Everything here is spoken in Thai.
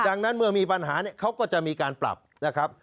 ดังนั้นเมื่อมีปัญหาเนี่ยเขาก็จะมีการปรับนะครับ